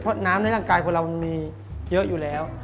เพราะน้ำในร่างกายคนเรามันมีเยอะอยู่แล้ว